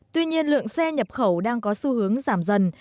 tuy nhiên lượng xe nhập khẩu đang có xu hướng giảm dần